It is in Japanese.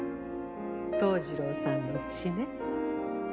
桃次郎さんの血ね。